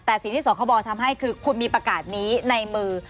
แต่สิ่งที่สคบทำให้คือคุณมีประกาศนี้ในมือ